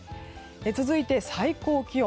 続いて、最高気温。